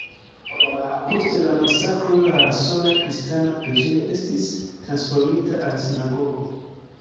Post la masakro, la sola kristana preĝejo estis transformita al sinagogo.